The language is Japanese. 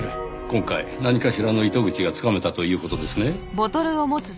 今回何かしらの糸口がつかめたという事ですね？